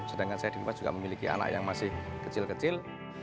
sedangkan saya juga memiliki anak yang masih kecil kecil